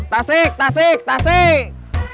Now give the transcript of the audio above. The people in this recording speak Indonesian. tasik tasik tasik